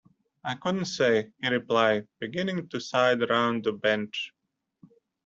"I couldn't say," he replied, beginning to sidle round the bench.